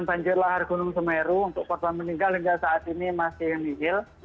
banjir lahar gunung semeru untuk korban meninggal hingga saat ini masih nihil